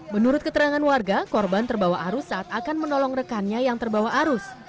menurut keterangan warga korban terbawa arus saat akan menolong rekannya yang terbawa arus